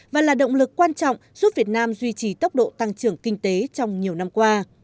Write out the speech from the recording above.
và là động lực quan trọng giúp việt nam duy trì tốc độ tăng trưởng kinh tế trong nhiều năm qua